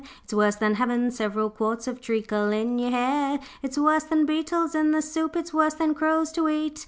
It's worse than havin' several quarts Of treacle in your hair. 'It's worse than beetles in the soup, It's worse than crows to eat.